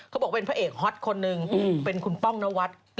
เขาบอกเป็นพระเอกฮอตคนหนึ่งเป็นคุณป้องนวัด